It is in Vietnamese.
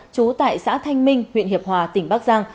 trú tại xã thanh minh huyện hiệp hòa tỉnh bắc giang